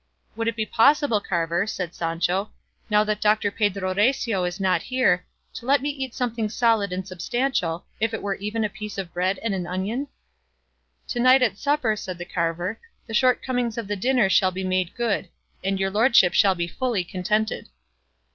"Would it be possible, carver," said Sancho, "now that Doctor Pedro Recio is not here, to let me eat something solid and substantial, if it were even a piece of bread and an onion?" "To night at supper," said the carver, "the shortcomings of the dinner shall be made good, and your lordship shall be fully contented."